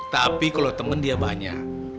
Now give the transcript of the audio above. tapi kalau temen dia banyak